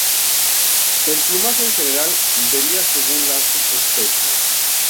El plumaje en general varía según la subespecie.